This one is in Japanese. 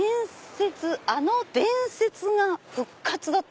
「あの伝説が復活」だって。